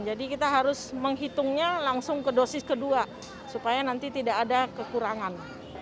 jadi kita harus menghitungnya langsung ke dosis kedua supaya nanti tidak ada kekurangan